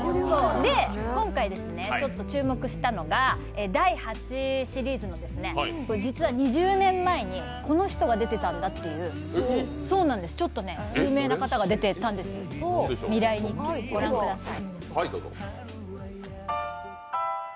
で、今回注目したのが第８シリーズの、実は２０年前にこの人が出てたんだというね、ちょっと有名な方が出てたんです、「未来日記」御覧ください。